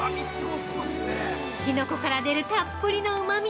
きのこから出るたっぷりのうまみ。